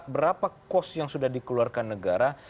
berapa kos yang sudah dikeluarkan negara